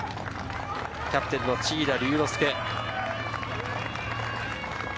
キャプテンの千明龍之佑。